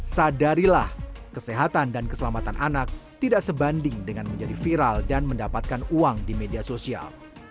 sadarilah kesehatan dan keselamatan anak tidak sebanding dengan menjadi viral dan mendapatkan uang di media sosial